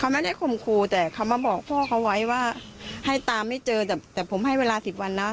ไม่ได้ข่มครูแต่เขามาบอกพ่อเขาไว้ว่าให้ตามไม่เจอแต่ผมให้เวลาสิบวันนะ